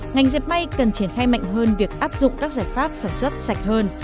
ngành dẹp may cần triển khai mạnh hơn việc áp dụng các giải pháp sản xuất sạch hơn